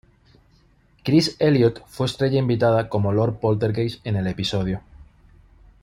Chris Elliott fue estrella invitada como Lord Poltergeist en el episodio.